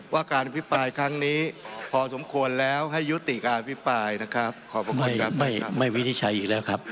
ว่าการอภิปายครั้งนี้พอสมควรแล้วให้ยุติการอภิปายนะครับขอบคุณครับไม่ไม่ไม่วินิชัยอีกแล้วครับ